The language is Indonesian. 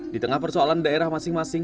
di tengah persoalan daerah masing masing